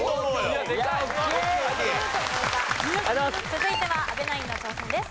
続いては阿部ナインの挑戦です。